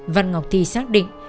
văn ngọc thi xác định